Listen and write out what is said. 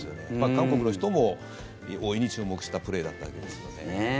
韓国の人も大いに注目したプレーだったわけですよね。